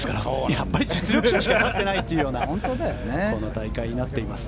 やっぱり実力者しか勝っていない大会になっています。